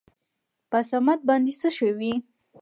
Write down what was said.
په صمد باندې څه شوي ؟